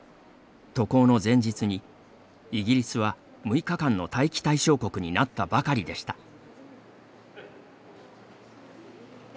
渡航の前日にイギリスは６日間の待機対象国になったばかりでした。